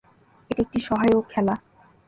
এটি একটি সহায়ক খেলা।